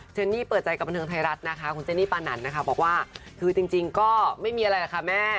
เนนี่เปิดใจกับบันเทิงไทยรัฐนะคะคุณเจนี่ปานันนะคะบอกว่าคือจริงก็ไม่มีอะไรหรอกค่ะแม่